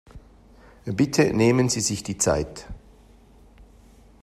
Bitte nehmen Sie sich die Zeit.